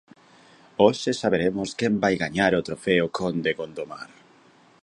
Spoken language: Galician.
Hoxe saberemos quen vai gañar o Trofeo Conde Gondomar...